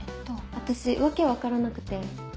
私訳分からなくて。